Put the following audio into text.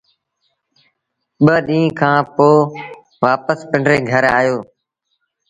ٻآ ڏيٚݩهݩ کآݩ پو وآپس پنڊري گھر آيوس۔